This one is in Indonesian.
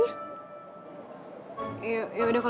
yaudah kalo gitu gue duluan